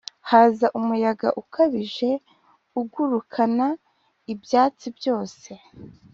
haza umuyaga ukabije ugurukana ibyatsi byose.